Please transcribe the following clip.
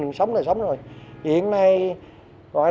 không có kiểu là pe